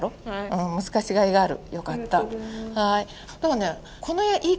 うん難しいがいがある。